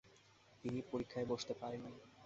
তিনি পরীক্ষায় বসতে পারেননি।